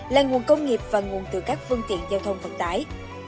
là nguồn công nghiệp và nguồn từ các phương tiện giao thông vận tải